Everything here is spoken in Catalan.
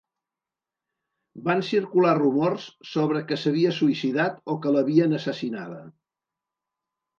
Van circular rumors sobre que s'havia suïcidat o que l'havien assassinada.